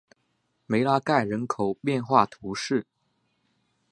梅拉盖人口变化图示